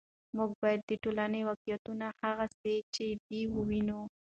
موږ باید د ټولنې واقعیتونه هغسې چې دي ووینو.